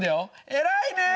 偉い。